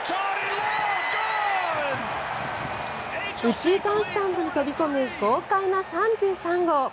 右中間スタンドに飛び込む豪快な３３号。